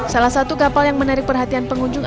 salah satu kapal yang menarik perhatian pengunjung